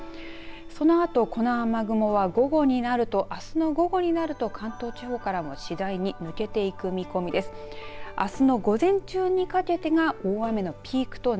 そのあとこの雨雲は午後になるとあすの午後になると関東地方からも次第に抜けていく見込みです。